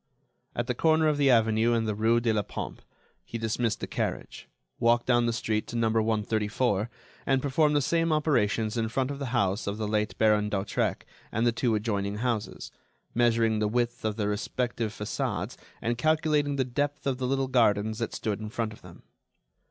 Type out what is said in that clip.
At the corner of the avenue and the rue de la Pompe, he dismissed the carriage, walked down the street to number 134, and performed the same operations in front of the house of the late Baron d'Hautrec and the two adjoining houses, measuring the width of the respective façades and calculating the depth of the little gardens that stood in front of them.